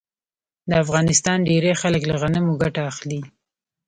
د افغانستان ډیری خلک له غنمو ګټه اخلي.